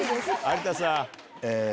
有田さん。